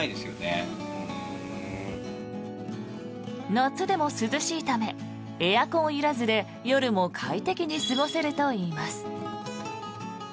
夏でも涼しいためエアコンいらずで夜も快適に過ごせるといいます。